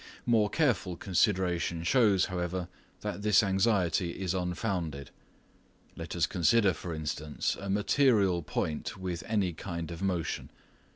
More careful consideration shows, however, that this anxiety is unfounded. Let us consider, for instance, a material point with any kind of motion.